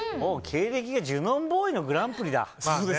経歴がジュノンボーイのグランプリだ。